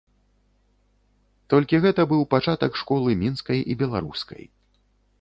Толькі гэта быў пачатак школы мінскай і беларускай.